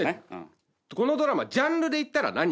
このドラマジャンルでいったら何になるんですか？